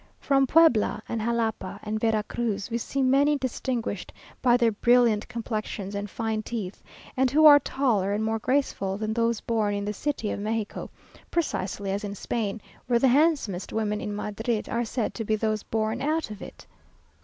From Puebla, and Jalapa and Vera Cruz, we see many distinguished by their brilliant complexions and fine teeth, and who are taller and more graceful than those born in the city of Mexico; precisely as in Spain, where the handsomest women in Madrid are said to be those born out of it.